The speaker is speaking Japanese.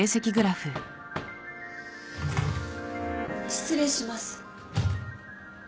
・・失礼します。